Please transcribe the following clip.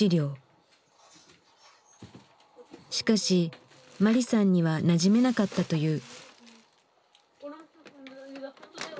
しかしマリさんにはなじめなかったという。